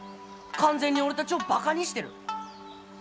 完全に俺たちをバカにしてる。